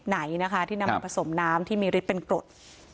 ไหนนะคะที่นำมาผสมน้ำที่มีฤทธิ์เป็นกรด